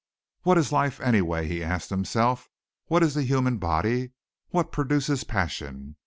"What is life anyway?" he asked himself. "What is the human body? What produces passion?